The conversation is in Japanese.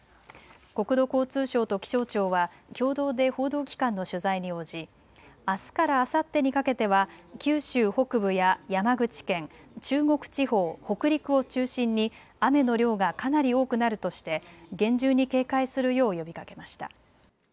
国土交通省と気象庁は共同で報道機関の取材に応じあすからあさってにかけては九州北部や山口県、中国地方、北陸を中心に雨の量がかなり多くなるとして厳重に警戒するよう呼びかけました。